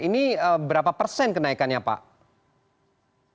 ini berapa persen kenaikannya pak